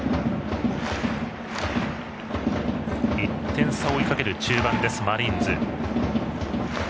１点差を追いかける中盤のマリーンズ。